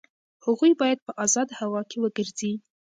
هغوی باید په ازاده هوا کې وګرځي.